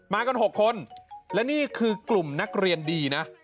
กัน๖คนและนี่คือกลุ่มนักเรียนดีนะ